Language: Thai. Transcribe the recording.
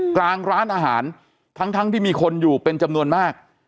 กลางร้านอาหารทั้งที่มีคนอยู่เป็นจำนวนมาก